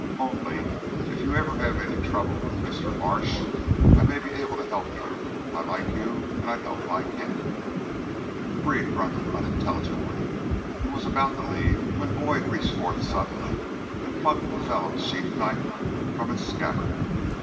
Only if you ever have any trouble with Mr. Marsh, I may be able to help you. I like you and I don't like him." The breed grunted unintelligibly, and was about to leave when Boyd reached forth suddenly and plucked the fellow's sheath knife from its scabbard.